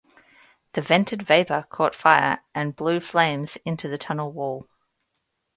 The vented vapour caught fire and blew flames onto the tunnel wall.